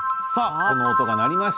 この音が鳴りました。